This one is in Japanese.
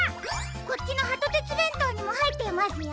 こっちのハトてつべんとうにもはいっていますよ。